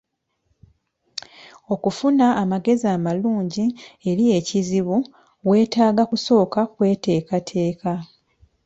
Okufuna amagezi amalungi eri ekizibu weetaaga kusooka kweteekateeka.